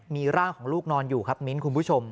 มีร่างของลูกนอนอยู่ครับมิ้นคุณผู้ชม